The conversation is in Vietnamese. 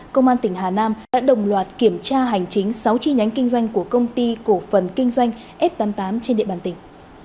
công an tỉnh hà nam đã đồng loạt kiểm tra hành chính sáu chi nhánh kinh doanh của công ty cổ phần kinh doanh f tám mươi tám trên địa bàn tỉnh